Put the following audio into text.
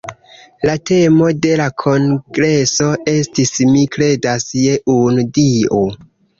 La temo de la kongreso estis "Mi kredas je unu Dio".